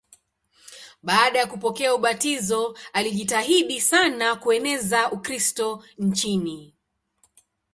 Baada ya kupokea ubatizo alijitahidi sana kueneza Ukristo nchini.